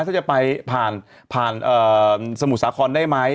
ถ้าจะไปผ่านสมุทรสาครได้ไหม